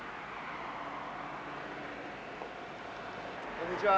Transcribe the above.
こんにちは。